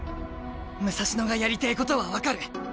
武蔵野がやりたいことは分かる。